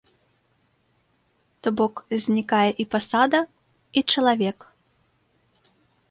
То бок, знікае і пасада, і чалавек.